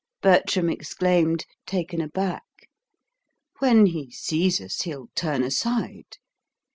Bertram exclaimed, taken aback. "When he sees us, he'll turn aside.